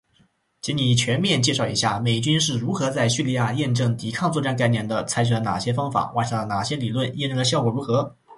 请你全面介绍一下美军是如何在叙利亚验证“抵抗作战概念”的，采取了哪些方法，完善了哪些理论，验证的效果如何？